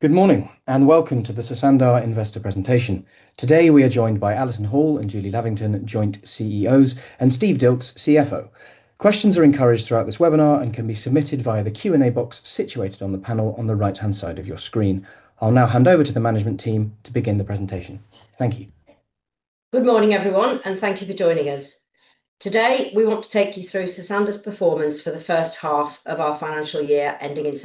Good morning and welcome to the Sosandar Investor Presentation. Today we are joined by Alison Hall and Julie Lavington, Joint CEOs, and Steve Dilks, CFO. Questions are encouraged throughout this webinar and can be submitted via the Q&A box situated on the panel on the right hand side of your screen. I'll now hand over to the management team to begin the presentation. Thank you. Good morning everyone and thank you for joining us today. We want to take you through Sosandar's performance for the first half of our financial year ending in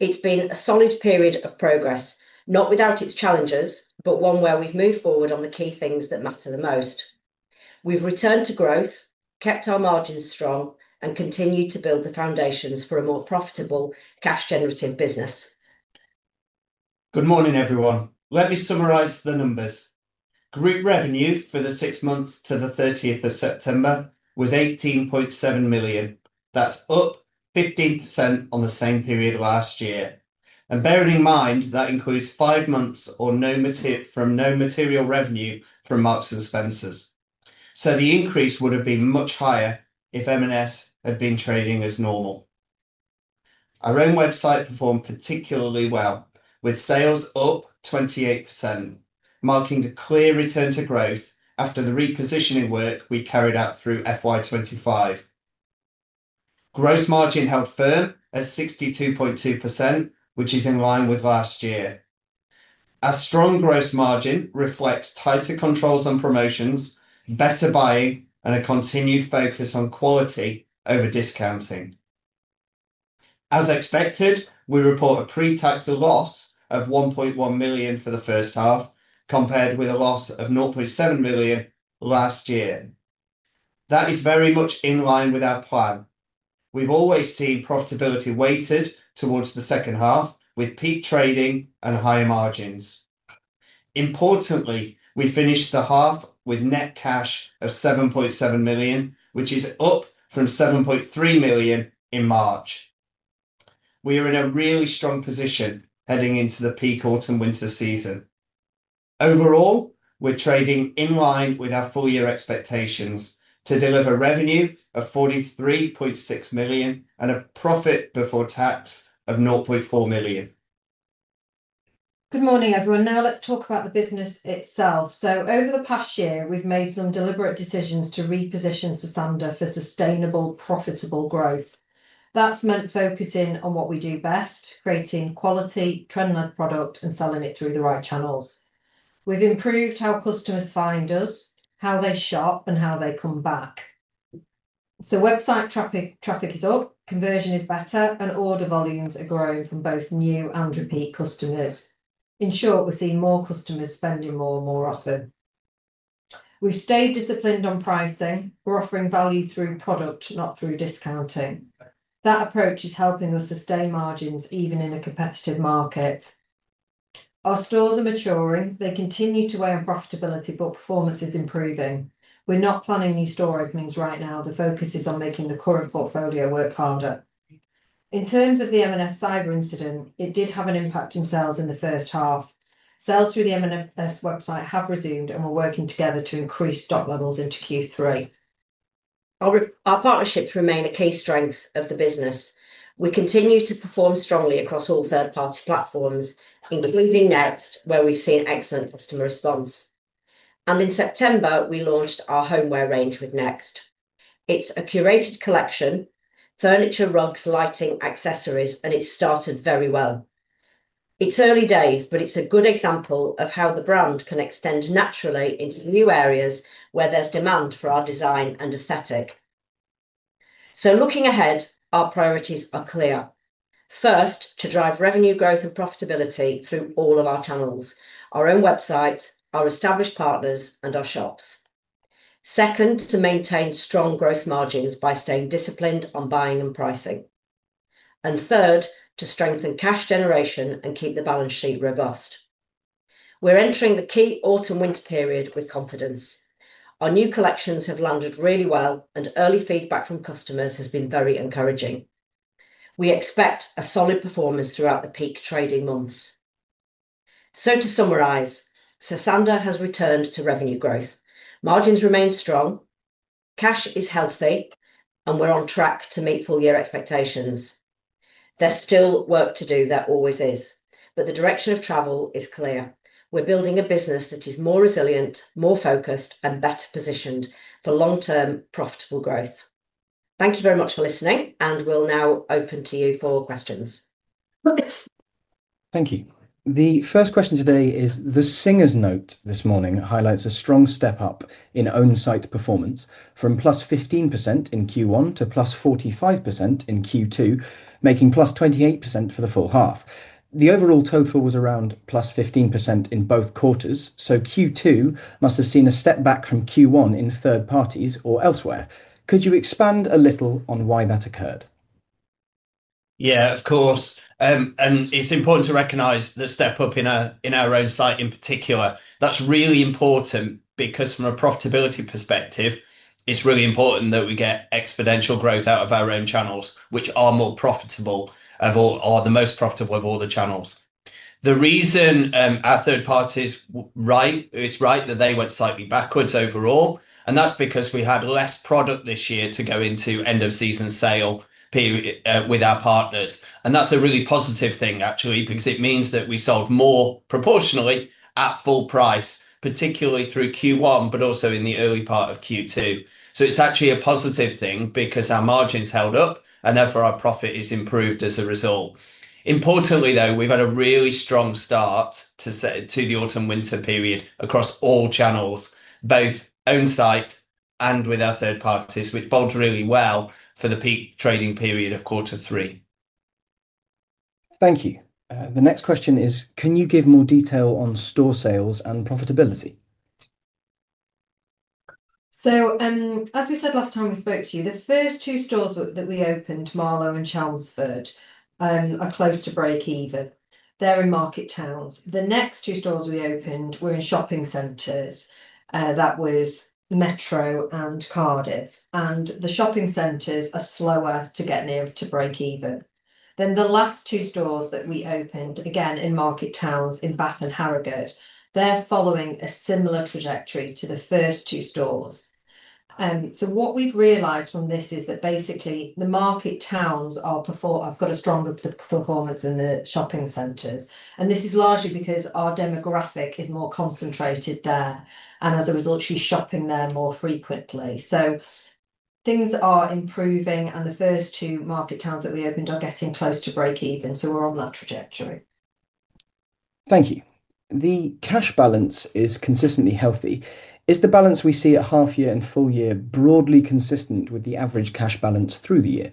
September. It's been a solid period of progress, not without its challenges, but one where we've moved forward on the key things that matter the most. We've returned to growth, kept our margins strong, and continued to build the foundations for a more profitable, cash generative business. Good morning everyone. Let me summarise the numbers. Group revenue for the six months to 30th September was 18.7 million. That's up 15% on the same period last year. Bearing in mind that includes five months of no material revenue from Marks & Spencer. The increase would have been much higher if M&S had been trading as normal. Our own website performed particularly well with sales up 28%, marking a clear return to growth after the repositioning work we carried out through FY 2025. Gross margin held firm at 62.2%, which is in line with last year. Our strong gross margin reflects tighter controls on promotions, better buying, and a continued focus on quality over discounting. As expected, we report a pre-tax loss of 1.1 million for the first half compared with a loss of 0.7 million last year. That is very much in line with our plan. We've always seen profitability weighted towards the second half with peak trading and higher margins. Importantly, we finished the half with net cash of 7.7 million, which is up from 7.3 million in March. We are in a really strong position heading into the peak autumn winter season. Overall, we're trading in line with our full year expectations to deliver revenue of 43.6 million and a profit before tax of 0.4 million. Good morning everyone. Now let's talk about the business itself. Over the past year we've made some deliberate decisions to reposition Sosandar for sustainable profitable growth. That's meant focusing on what we do best, creating quality trend-led product and selling it through the right channels. We've improved how customers find us, how they shop, and how they come back. Website traffic is up, conversion is better, and order volumes are growing from both new and repeat customers. In short, we're seeing more customers spending more more often. We've stayed disciplined on pricing. We're offering value through product, not through discounting. That approach is helping us sustain margins even in a competitive market. Our stores are maturing. They continue to weigh on profitability, but performance is improving. We're not planning new store openings right now. The focus is on making the current portfolio work harder. In terms of the Marks & Spencer cyber incident, it did have an impact in sales in the first half. Sales through the Marks & Spencer website have resumed, and we're working together to increase stock levels into Q3. Our partnerships remain a key strength of the business. We continue to perform strongly across all third-party platforms, including Next, where we've seen excellent customer response. In September, we launched our homeware range with Next. It's a curated collection: furniture, rugs, lighting, accessories. It started very well. It's early days, but it's a good example of how the brand can extend naturally into new areas where there's demand for our design and aesthetic. Looking ahead, our priorities are clear. First, to drive revenue growth and profitability through all of our channels: our own website, our established partners, and our shops. Second, to maintain strong gross margins by staying disciplined on buying and pricing. Third, to strengthen cash generation and keep the balance sheet robust. We're entering the key autumn winter period with confidence. Our new collections have landed really well, and early feedback from customers has been very encouraging. We expect a solid performance throughout the peak trading months. To summarize, Sosandar has returned to revenue growth, margins remain strong, cash is healthy, and we're on track to meet full-year expectations. There's still work to do, there always is. The direction of travel is clear. We're building a business that is more resilient, more focused, and better positioned for long-term profitable growth. Thank you very much for listening, and we'll now open to you for questions. Thank you. The first question today is the singer's note this morning highlights a strong step up in own site performance from +15% in Q1 to +45% in Q2, making +28% for the full half. The overall total was around +15% in both quarters. Q2 must have seen a step back from Q1 in third parties or elsewhere. Could you expand a little on why that occurred? Yeah, of course. It's important to recognize the step up in our own site in particular. That's really important because from a profitability perspective, it's really important that we get exponential growth out of our own channels, which are more profitable or the most profitable of all the channels. The reason our third parties, it's right that they went slightly backwards overall is because we had less product this year to go into end of season sale with our partners. That's a really positive thing actually because it means that we sold more proportionally at full price, particularly through Q1, but also in the early part of Q2. It's actually a positive thing because our margins held up and therefore our profit is improved as a result. Importantly, we've had a really strong start to the autumn winter period across all channels, both on site and with our third parties, which bodes really well for the peak trading period of quarter three. Thank you. The next question is, can you give more detail on store sales and profitability? As we said last time we spoke to you, the first two stores that we opened, Marlow and Chelmsford, are close to break even. They're in market towns. The next two stores we opened were in shopping centres, that was Metro and Cardiff, and the shopping centres are slower to get near to break even. The last two stores that we opened, again in market towns in Bath and Harrogate, they're following a similar trajectory to the first two stores. What we've realized from this is that basically the market towns have got a stronger performance than the shopping centres and this is largely because our demographic is more concentrated. There's, as a result, she's shopping there more frequently. Things are improving and the first two market towns that we opened are getting close to break even. We're on that trajectory. Thank you. The cash balance is consistently healthy. Is the balance we see at half year and full year broadly consistent with the average cash balance through the year?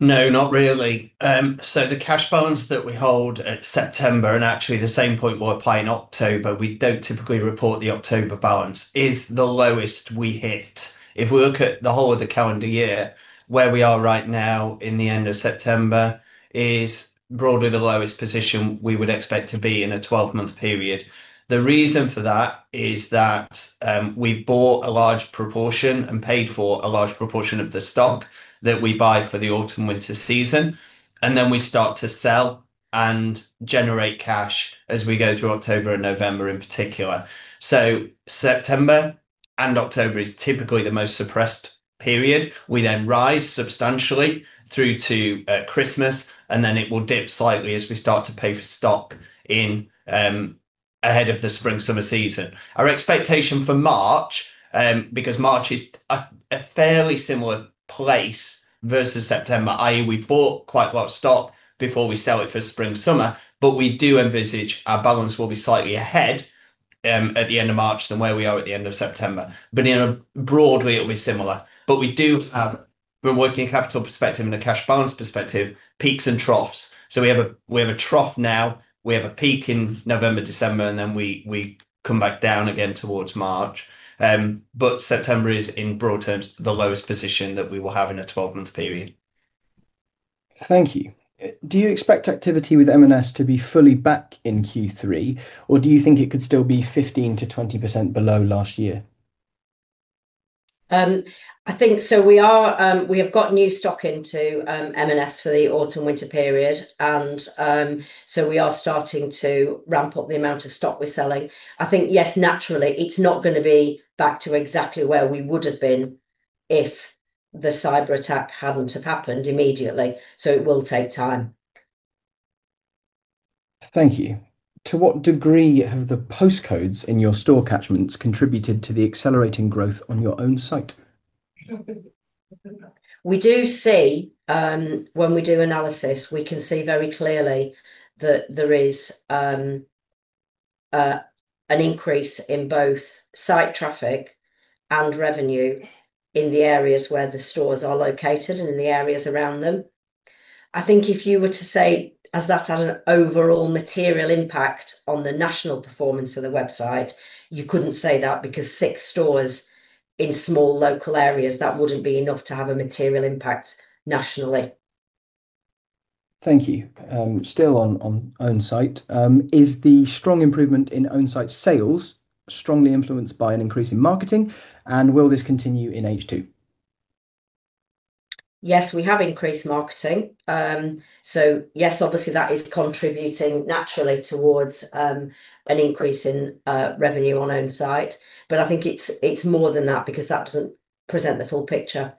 No, not really. The cash balance that we hold at September, and actually the same point will apply in October. We don't typically report the October balance as the lowest we hit. If we look at the whole of the calendar year, where we are right now at the end of September is broadly the lowest position we would expect to be in a 12-month period. The reason for that is that we've bought a large proportion and paid for a large proportion of the stock that we buy for the autumn winter season, and then we start to sell and generate cash as we go through October and November in particular. September and October is typically the most suppressed period. We then rise substantially through to Christmas, and it will dip slightly as we start to pay for stock ahead of the spring summer season. Our expectation for March, because March is a fairly similar place versus September, i.e., we bought quite a lot of stock before we sell it for spring summer. We do envisage our balance will be slightly ahead at the end of March than where we are at the end of September. In a broad way it'll be similar. We do have, from a working capital perspective and a cash balance perspective, peaks and troughs. We have a trough now, we have a peak in November, December, and we come back down again towards March. September is in broad terms the lowest position that we will have in a 12-month period. Thank you. Do you expect activity with M&S to be fully back in Q3, or do you think it could still be 15%-20% below last year? I think so. We have got new stock into M&S for the autumn winter period, and we are starting to ramp up the amount of stock we're selling. I think yes, naturally it's not going to be back to exactly where we would have been if the cyber attack hadn't happened immediately. It will take time. Thank you. To what degree have the postcodes in your store catchments contributed to the accelerating growth on your own site? We do see, when we do analysis, we can see very clearly that there is an increase in both site traffic and revenue in the areas where the stores are located and in the areas around them. I think if you were to say as that had an overall material impact on the national performance of the website, you couldn't say that because six stores in small local areas wouldn't be enough to have a material impact nationally. Thank you. Still on own site, is the strong improvement in own site sales strongly influenced by an increase in marketing, and will this continue in H2? Yes, we have increased marketing. Yes, obviously that is contributing naturally towards an increase in revenue on own site. I think it's more than that because that doesn't present the full picture.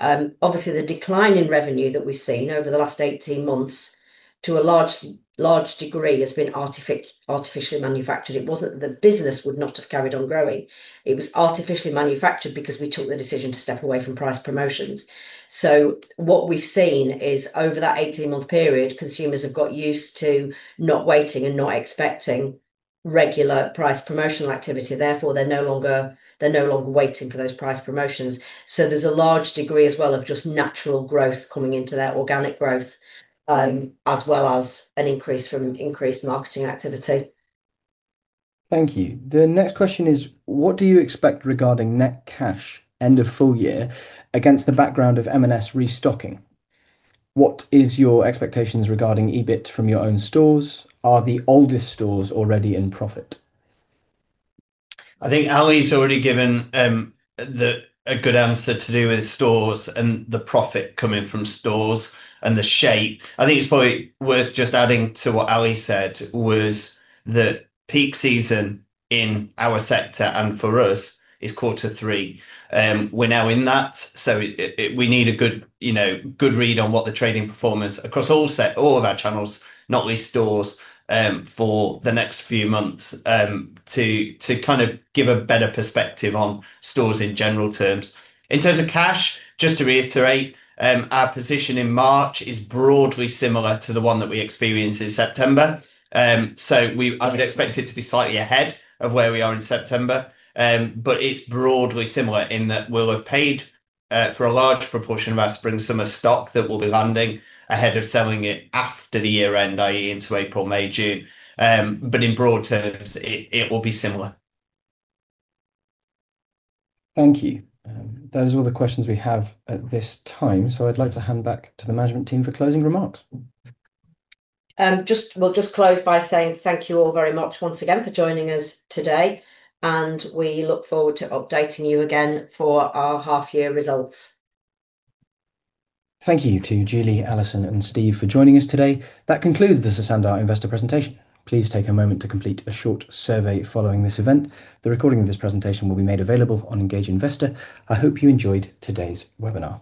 Obviously, the decline in revenue that we've seen over the last 18 months to a large degree has been artificially manufactured. It wasn't. The business would not have carried on growing. It was artificially manufactured because we took the decision to step away from price promotions. What we've seen is over that 18-month period consumers have got used to not waiting and not expecting regular price promotional activity. Therefore they're no longer waiting for those price promotions. There's a large degree as well of just natural growth coming into their organic growth as well as an increase from increased marketing activity. Thank you. The next question is what do you expect regarding net cash end of full year against the background of M&S restocking? What is your expectations regarding EBIT from your own stores? Are the oldest stores already in profit? I think Ali's already given a good answer to do with stores and the profit coming from stores and the shape. I think it's probably worth just adding to what Ali said, which was that peak season in our sector and for us is quarter three. We're now in that. We need a good read on what the trading performance across all of our channels, not least stores, for the next few months to give a better perspective on stores in general terms in terms of cash. Just to reiterate, our position in March is broadly similar to the one that we experienced in September. I would expect it to be slightly ahead of where we are in September, but it's broadly similar in that we'll have paid for a large proportion of our spring summer stock that will be landing ahead of selling it after the year end, that is into April, May, June, but in broad terms it will be similar. Thank you. That is all the questions we have at this time. I'd like to hand back to the management team for closing remarks. Thank you all very much once again for joining us today, and we look forward to updating you again for our half year results. Thank you to Julie, Alison and Steve for joining us today. That concludes the Sosandar Investor Presentation. Please take a moment to complete a short survey following this event. The recording of this presentation will be made available on Engage Investor. I hope you enjoyed today's webinar.